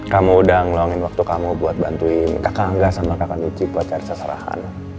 kamu udah ngeluangin waktu kamu buat bantuin kakak angga sama kakak nici buat cari kesalahan